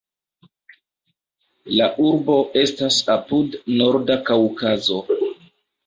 La urbo estas apud Norda Kaŭkazo.